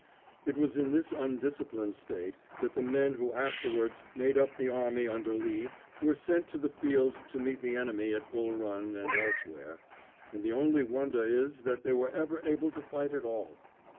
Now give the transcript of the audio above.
It was in this undisciplined state that the men who afterwards made up the army under Lee were sent to the field to meet the enemy at Bull Run and elsewhere, and the only wonder is that they were ever able to fight at all.